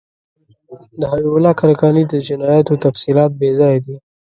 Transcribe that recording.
د حبیب الله کلکاني د جنایاتو تفصیلات بیځایه دي.